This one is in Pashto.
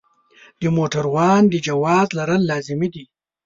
د موټروان د جواز لرل لازمي دي.